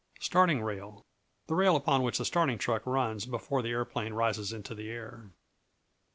Starting Rail The rail upon which the starting truck runs before the aeroplane rises into the air.